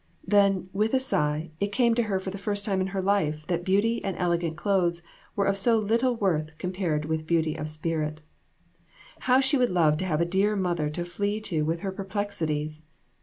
Then, with a sigh, it came to her for the first time in her life that beauty and elegant clothes were of so very little worth compared with beauty of spirit. How she would love to have a dear mother to flee to with her perplexities